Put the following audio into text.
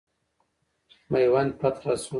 میوند فتح سو.